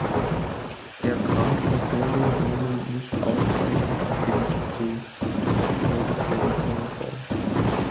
Die erkrankten Vögel nehmen nicht ausreichend an Gewicht zu, auch Todesfälle kommen vor.